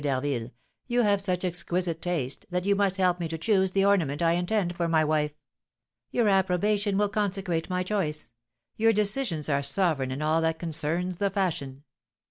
d'Harville, "you have such exquisite taste, that you must help me to choose the ornament I intend for my wife. Your approbation will consecrate my choice; your decisions are sovereign in all that concerns the fashion."